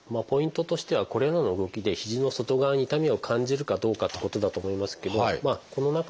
ポイントとしてはこれらの動きで肘の外側に痛みを感じるかどうかってことだと思いますけどま